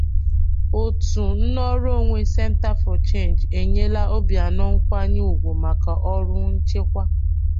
Òtù Nnọrọonwe 'Center For Change' Enyela Obianọ Nkwanye Ugwu Maka Ọrụ Nchekwa